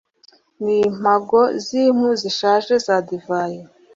n'impago z'impu zishaje za divayi